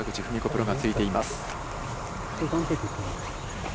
プロがついています。